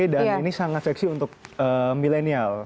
dan ini sangat seksi untuk milenial